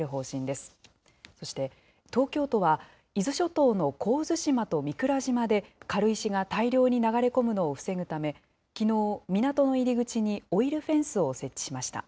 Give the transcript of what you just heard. そして東京都は、伊豆諸島の神津島と御蔵島で、軽石が大量に流れ込むのを防ぐため、きのう、港の入り口にオイルフェンスを設置しました。